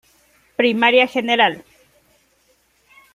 Primaria Gral.